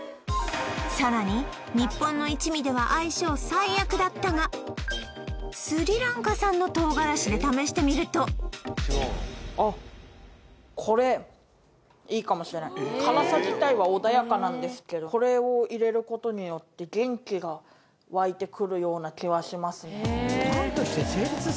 さらに日本の一味ではスリランカ産の唐辛子で試してみるとあっこれいいかもしれない辛さ自体は穏やかなんですけどこれを入れることによって元気が湧いてくるような気はしますね